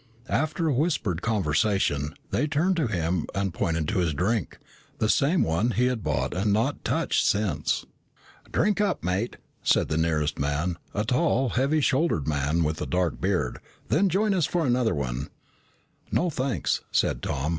After a whispered conversation, they turned to him and pointed to his drink, the same one he had bought and had not touched since. "Drink up, mate," said the nearest man, a tall, heavy shouldered man with a dark beard, "then join us in another one." "No, thanks," said Tom.